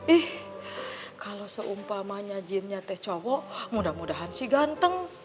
ih kalau seumpamanya jinnya teh cowo mudah mudahan sih ganteng